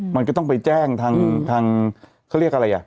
มันก็ต้องไปแจ้งทางเขาเรียกอะไรอ่ะ